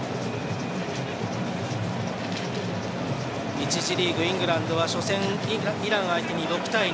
１次リーグ、イングランドは初戦イランを相手に６対２。